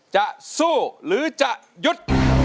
จะสู้หรือจะหยุด